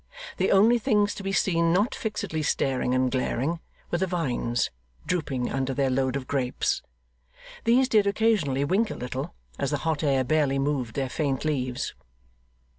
The only things to be seen not fixedly staring and glaring were the vines drooping under their load of grapes. These did occasionally wink a little, as the hot air barely moved their faint leaves.